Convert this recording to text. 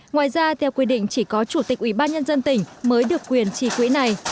ngoài ra theo quy định chỉ có chủ tịch ủy ban nhân dân tỉnh mới được quyền trì quỹ này